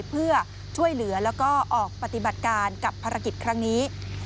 เพื่อช่วยเหลือแล้วก็ออกปฏิบัติการกับภารกิจครั้งนี้